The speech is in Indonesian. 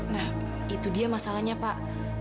nah itu dia masalahnya pak